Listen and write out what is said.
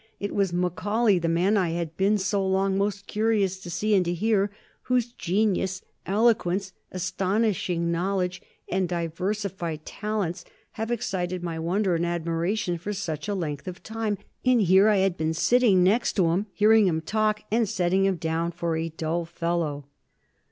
It was Macaulay, the man I had been so long most curious to see and to hear, whose genius, eloquence, astonishing knowledge, and diversified talents have excited my wonder and admiration for such a length of time, and here I had been sitting next to him, hearing him talk, and setting him down for a dull fellow."